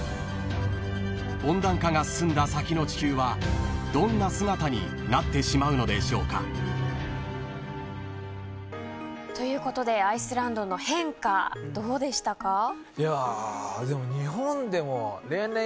［温暖化が進んだ先の地球はどんな姿になってしまうのでしょうか］ということでアイスランドの変化どうでしたか？